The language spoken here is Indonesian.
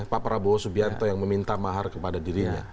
pak prabowo subianto yang meminta mahar kepada dirinya